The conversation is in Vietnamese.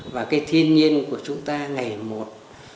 và cái thiên nhiên của chúng ta ngày một